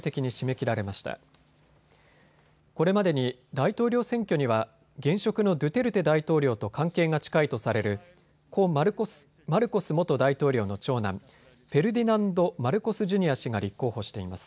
これまでに大統領選挙には現職のドゥテルテ大統領と関係が近いとされる故マルコス元大統領の長男、フェルディナンド・マルコス・ジュニア氏が立候補しています。